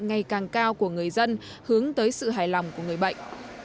ngày càng cao của người dân hướng tới sự hài lòng của người bệnh